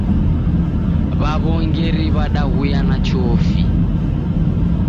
W'aw'ongeri w'adaghuyana chofi.